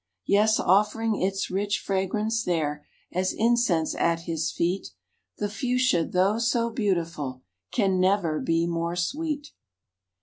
Yes, offering its rich fragrance there, As incense at His feet, The Fuchsia, though so beautiful, Can never be more sweet.